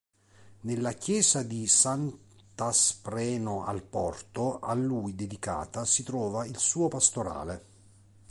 Nella chiesa di Sant'Aspreno al Porto a lui dedicata si trova il suo Pastorale.